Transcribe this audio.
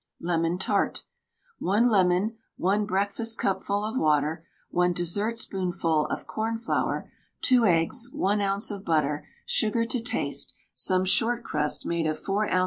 LEMON TART. 1 lemon, 1 breakfastcupful of water, 1 dessertspoonful of cornflour, 2 eggs, 1 oz. of butter, sugar to taste, some short crust made of 4 oz.